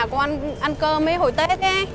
cô ăn cơm mới hồi tết